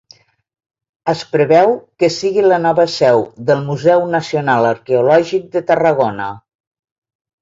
Es preveu que sigui la nova seu del Museu Nacional Arqueològic de Tarragona.